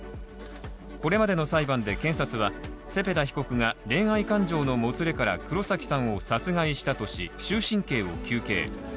これまでの裁判で建設は、セペダ被告が恋愛感情のもつれから黒崎さんを殺害したとし終身刑を求刑。